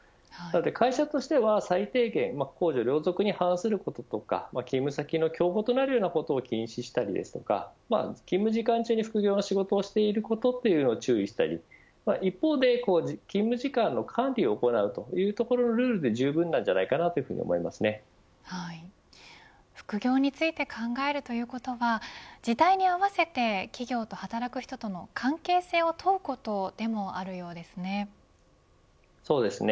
会社としては最低限公序良俗に反する勤務先の競合になることを禁止したりですとか勤務時間中に副業の仕事をしているということを注意したり一方で、勤務時間の管理を行うというところのルールで副業について考えるということは時代に合わせて企業と働く人との関係性を問うことでもあるようですね。